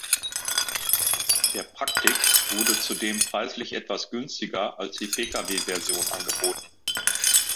Der „Praktik“ wurde zudem preislich etwas günstiger als die Pkw-Version angeboten.